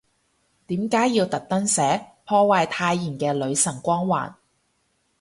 點解要特登寫，破壞太妍嘅女神光環